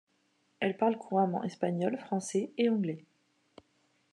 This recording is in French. Elle parle couramment espagnol, français, et anglais.